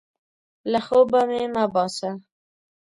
له خوبه مې مه باسه!